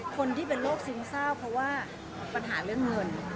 คนที่เป็นโรคซึมเศร้าเพราะว่าปัญหาเรื่องเงิน